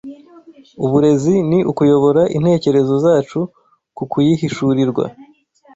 uburezi ni ukuyobora intekerezo zacu ku kuyihishurirwa